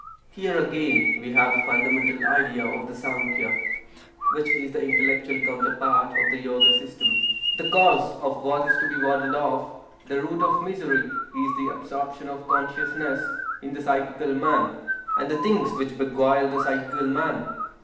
Here again we have the fundamental idea of the Sankhya, which is the intellectual counterpart of the Yoga system. The cause of what is to be warded off, the root of misery, is the absorption of consciousness in the psychical man and the things which beguile the psychical man.